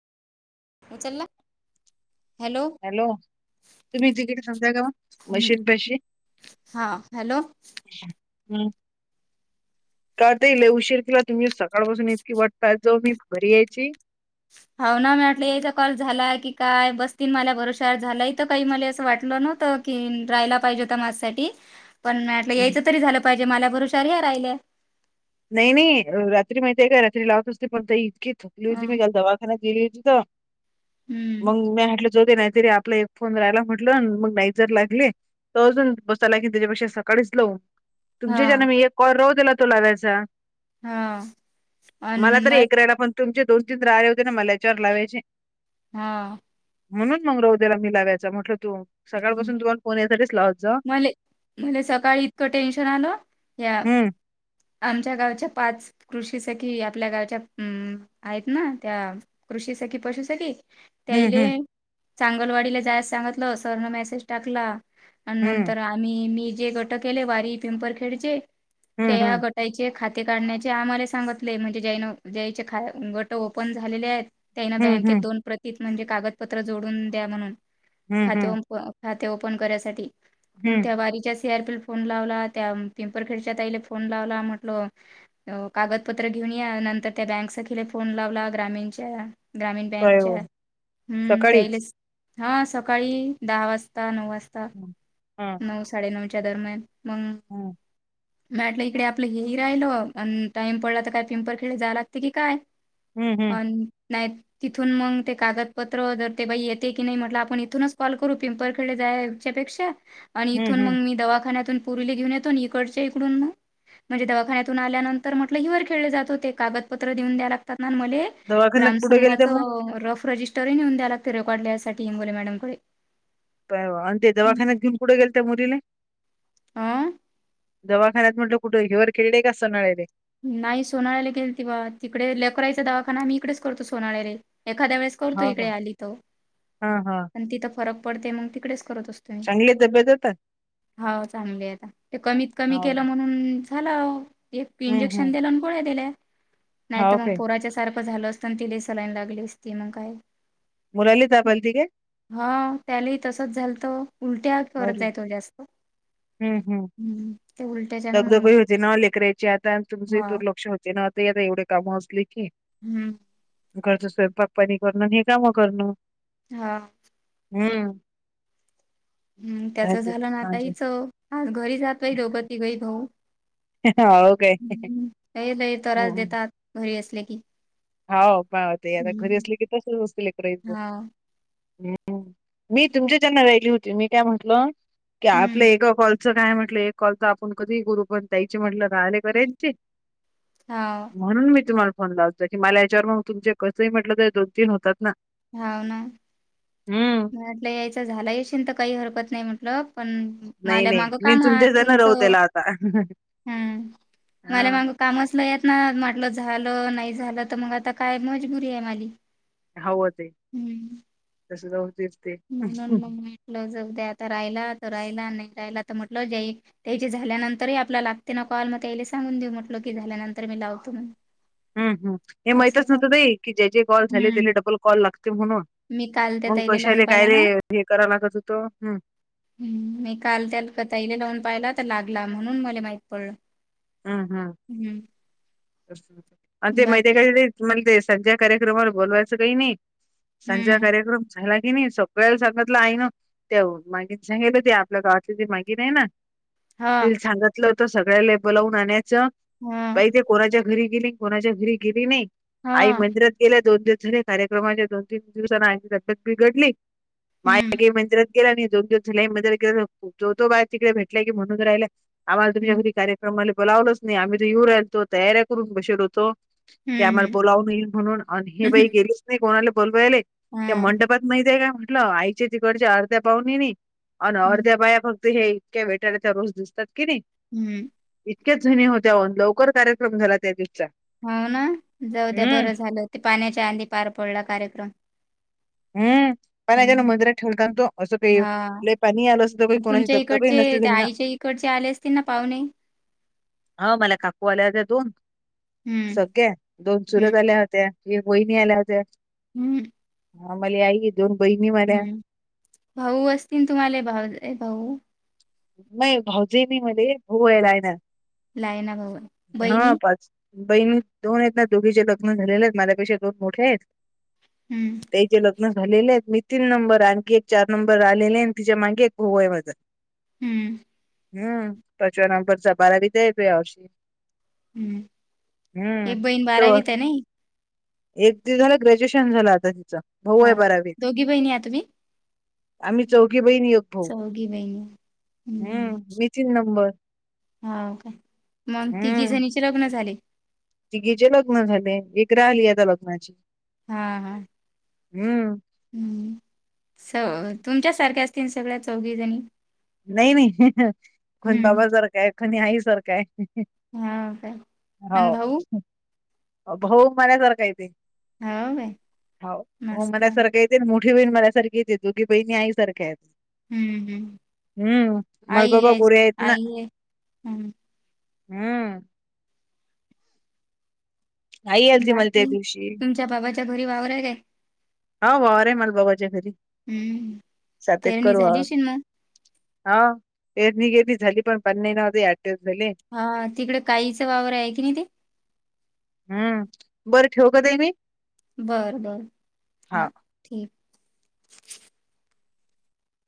उचलला. हॅलो तुम्ही तिकीट सांगताय, का वशी तशी. हा हॅलो. हम्म. का ती लई उशीर केला तुम्ही, सकाळपासून इतकी वाट पाहीत जाऊ मी घरी यायची. हाऊ ना मी म्हटलं याचा कॉल झाला की काय, बसतील माझ्या भरवशावर झालं इथ काही मला असं वाटलं नव्हतं. कि राहिला पाहिजे होता माझ्यासाठी, पण म्हटलं हम्म. याचा तरी झालं पाहिजे मला भरुशावर ह्या राहिल्या. नाही नाही रात्री माहिती आहे का रात्री लावत असते पण ती इतकी थकली होती मी काल दवाखान्यात. गेली होतं तर हम्म मंग मी हटलं जाऊ दे नाही तरी आपलं ये फोन राहायला म्हटलं मग नाही जर लागले तर अजून बसायला की त्याच्यापेक्षा सकाळीच लावू. तुमचे हा जनं मी एक कॉर राहू त्याला तो लावायचा. हा अन मला तर मग एक राहाला पण, तुमचे दोन तीन राहिलं होते ना मला याच्यावर लावायचे. हां. म्हणून मंगरुअलेला मी लागायचा म्हटलं तू सकाळपासून तु आन फोन यासाठीच लावत जा. मले मले सकाळी एवढं टेन्शन आलं या हम्म आमच्या गावाचे पाच कृषीसखी आपल्या गावच्या अम... आहेत ना त्या. कृषी सखी पशु सखी. त्या हम्म, इले हम्म, चांगलवाडीला जायास सांगितलं. सरन मेसेज टाकला आणि नंतर आ आणि मी जे गट केले, वारी पिंपरखेडचे हम्म, त्या हम्म, गट. त्यायचे खाते काढण्याचे आम्हाला सांगितले म्हणजे जैन ज्यायचे खाया गट ओपन झालेले आहेत. त्याना हम्म, बँकेत हम्म, दोन प्रतीत म्हणजे, कागदपत्र जोडून द्या म्हणून. हम्म, हम्म, खाते हम्म, खाते ओपन करायसाठी, हम्म. त्या वारीच्या सिआरपी. फोन लावला. त्या पिंपर खेडच्या ताईला फोन लावला म्हटलं. कागदपत्र घेऊन या नंतर त्या बँक सखिला फोन लावला ग्रामीणच्या ग्रामीण काय बँकच्या हो हम्म त्यायले सकाळीच? हा सब सकाळी दहा वाजता नऊ वाजता. हं, नऊ साडेनऊच्या दरम्यान मगं. हम्.. [inaudible] म्हटलं इकडे आपलं हे राहिल आणि टाइम पडला तर काय पिंपर खेळी जा लागते की काय. हं, हं, अन नायत. तिथून मग ते कागदपत्र जर ते बाई येते की नाही म्हटलं आपण इथूनच कॉल करू पिंपरखेडला जायच्या पेक्षा. आणि हं, इथून मग हं. मी दवाखान्यातून पोरीला घेऊन येतो आणि इकडच्या इकडुन म्हणजे दवाखान्यातून आल्यानंतर म्हटलं हिवर खेळले जात होते कागदपत्र देऊन द्या लागतात ना मले‌. दवाखान्यात कुठे गेलत्या ग्रामसंघाच मग? रफ रजिस्टरही नेऊन द्या लागते रेकॉर्ड लियसाठी हिंगोली मॅडम कडे. आणि ते दवाखान्यात घेऊन कुठे गेल त्या मी तिले. आं. दवाखान्यात म्हटलं कुठं हे वर खेळलेय का असंणार रे. नाही सोनाळ्याला गेल तेव्हा तिकडे लकराईचा दवाखाना मी इकडेच करतो सोनाळ्याला एखाद्या वेळेस करतो इकडे आली तर. हा हा. आणि तिथं फरक पडते मग तिकडेच करत असतो मी. चांगले तब्येत. हो चांगली आता ते कमीत कमी हाव केलं का? म्हणून झालं. एक हं, हं. इंजेक्शन दिलं आणि गोळ्या दिल्या हाव नाहीतर मग काय? पोराच्या सारखं झालं. पण ति ल सलाईन लागली असती मग काय. मुलाले ताप आलती काय? हा त्याला तसच झालंत उलट्या करत अरे! जाय तो जास्त. हं, हम ते उलट्याच्या ना मग जे न लेकरायचे आता तुमचे हा दुर्लक्ष होते न आ ते आता एवढे कामं असले की. हम्म. घरचं स्वयंपाक पनी करण हे कामं करणं. हा. हम्म. हं त्याचं झालं आता अच्छा. हीच आज घरी जातात दोघं तिघं भाऊ. हो काय हे लई त्रास देतात घरी असले की. हा घरी हम्म. असले की असाच असते लेकराचे. हाव. हम्म. मी तुमच्या च्यान राहिली होती मी काय म्हटल की आपलं हम्म. एका कॉलच तुमचं काय म्हटले कॉल तर आपण कधीही करू पण त्याची म्हटलं राहिले. बरेच ते हाव, म्हणून मी तुम्हाला फोन लावते. तर की याच्यावर मग कसंही म्हटलं तर दोन तीन होतात ना. हव ना. हम्म. मी म्हटलं यायचं झालंयशिन तर काही हरकत नाही म्हटलं पण. नाही मला नाही माग का मी महा तुमच्या च्यान राहू तुमचं त्याला आता हम्म, माल्या हा माग कामच नाही येत ना म्हटलं झालं नाही झालं त मग आता काय, मजबुरी आहे माझी. हवं ते हं. तस जाते. म्हणून मग म्हटलं जऊद्या आता राहिला तर राहिला नाही राहिला तर म्हटल जई. त्याची झाल्यानंतरही आपल्याला, लागते ना कॉल मग त्याला सांगून देऊ म्हटल की झाल्यानंतर मी लावतो मग. हम् हम हे माहितच नवतं दई की जे जे कॉल झाले हं. त्याला डबल कॉल लागते म्हणून. मी काल त्यात आईने. काय रे हे कराव लागत होतो हम्म. हम् मी काल त्या क तईले लावून पाहिला तर लागला म्हणून मला माहित पडलं हम् हम् हम्म, आणि ते माहिती बाकी काय? मला ते संध्या कार्यक्रमावर बोलवायचं काही नाही संध्या हम्म कार्यक्रम? सांगला की नाही सगळं सांगतलं आहे ना ते माग सांगितलं ते आपल्या गावात जे मागर आहे ना. हा तिले सांगितलं होतं सगळ्याला बोलवून आणायचं हा बाई ते. घरी गेली कोणाच्या घरी गेली नाही, हा आई मंदिरात गेल्या दोन दिवस झाले. कार्यक्रमाच्या दोन-तीन दिवसांनी आईची तब्येत बिघडली ंअअअक माय हम्म गेली मंदिरात. [unintelligible] जो जो बाय भेटले की, म्हणून राहिले की आम्हाला तुम्ही [unintelligible] हम्म आम्हाले तर बोलावलेच नाही, आम्ही येऊ राहिलो होतो तयार करून बसले होतो. की आम्हाला हम्म बोलाव नईल म्हणून हम्म, हे बाई गेलच नाही कोणाला बोलवायले त्या हा, मंडपात. माहितीे काय म्हटलं आयचे तिकडच्या अर्ध्या पाहणी नाही आणि हम्म, अर्ध्या पाया फक्त. हे इतक्या वेटायला त्या रोज दिसतात कि नाही. हम्म. इतक्याच जूणी होत्या न लवकर कार्यक्रम झाला त्या दिवचा. हो ना जाऊ द्या, बरं झालं ते पाहण्याच्या आधी पार पडला कार्यक्रम हम्म. काहीना गेला हम्म, मंदिरात ठेवला होता ना तो हा असते पाणी आलं नसतं कुणाची ही जास्त झाली नसती ना. कडचे आले असते ना पाहुणे. हा मला काकू आल्या होत्या दोन. हम्म सख्या, दोन हम्म चुलत आल्या होत्या एक वहिनी आल्या होत्या. हम्. हा मला आई दोन बहिणी मऱ्या. हम्म. भाऊ असतील तुम्हाला भाऊ भाऊ. नाही भाऊजे म मध्ये भाऊ वयला आहे ना, लायना भाऊ आहे. हा बहिणी पाच. बहिणी मी दोन आहेत ना, दोघीचे लग्न झालेले आहेत, माझ्यापेक्षा दोन मोठे आहेत. हम्म [unintelligible] झालेले आहेत मी तीन नंबर आणखी एक चार नंबर आलेले आणि तिच्या मागी एक होऊ आहे मझ. हम्म. हम्म पाचव्या नंबरचा बारावीत आहे यावर्षी. हम्म हम्म, एक बहीण तर. बारावीत आहे नाही? एक दि झालं ग्रॅज्युएशन झालं आता तिचं. भाऊ आहे हां. बारावीत दोघी बहिणी आहात तुम्ही? आम्ही चौघी बहिणी एक भाऊ. ही नई. हम्म मी तीन नंबर. हो का मग तिघी हम्म जणीचे लग्न झाले. तिघीचे लग्न झाले, एक राहिली आता लग्नाची. हां हां. हम्म. हम् स तुमच्या सारख्या असतील, सगळ्या चौघी जणी. नाही नाही कोण हम्म. बाबासारखं आहे कोणी आईसारखं आहे. हाव काय? आणि भाऊ? हो. भा हो मल्यासारखं येते हाव काय? हो, हो मल्यासारखं आहे ते. मोठी बहीण मलासारखीेच दोघी बहीणी आई सारख्या आहेत. हम्म, हम्म. हम्म.. महे आई बाबा आहे गोरे आहेते ना. आई आहे. हं. हम्म. आई आलती मला त्या बाकी दिवशी तुमच्या बाबाच्या घरी वावर आहे काय? हाव वावर आहे बाबाच्या घरी हम्म. सात पेरणी एकर झाली वावर. अशीन मग? हा येर नि गेली झाली पण पण नाही [unintelligible] आठ दिवस झाले. हा.. तिकडे काईच वावर आहे. की नाही ते, हम्म बरं ठेवू का ताई मी? बर बर हा ठीक.